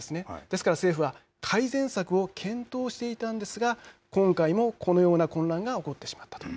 ですから政府は改善策を検討していたんですが今回もこのような混乱が起こってしまったと。